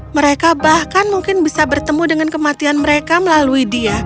mereka bahkan mungkin bisa bertemu dengan kematian mereka melalui dia